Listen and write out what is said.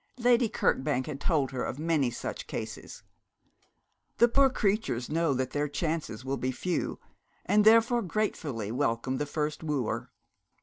Lady Kirkbank had told her of many such cases. The poor creatures know that their chances will be few, and therefore gratefully welcome the first wooer.